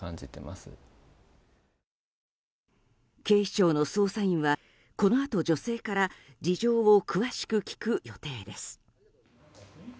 警視庁の捜査員はこのあと、女性から事情を詳しく聴く予定です。